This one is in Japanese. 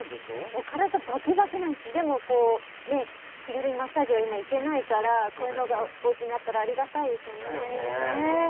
もう体バキバキなんですでも気軽にマッサージは今行けないからこういうのがおうちにあったらありがたいですよねだよね